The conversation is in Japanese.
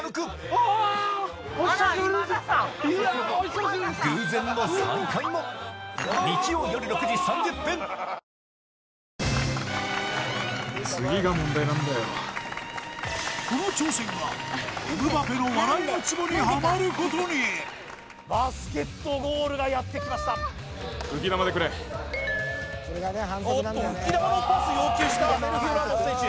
その理由とはこの挑戦がエムバペのハマることにバスケットゴールがやってきましたおっと浮き球のパス要求したセルヒオ・ラモス選手